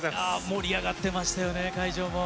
盛り上がってましたよね、会場も。